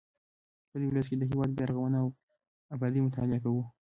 په دې لوست کې د هیواد بیا رغونه او ابادي مطالعه کوو.